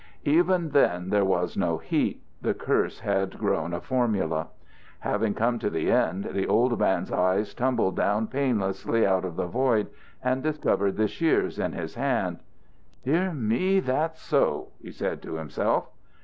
Even then there was no heat; the curse had grown a formula. Having come to the end, the old man's eyes tumbled down painlessly out of the void and discovered the shears in his hand. "Dear me, that's so," he said to himself.